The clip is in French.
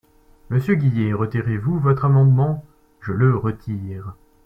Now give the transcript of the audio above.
Monsieur Guillet, retirez-vous votre amendement ? Je le retire.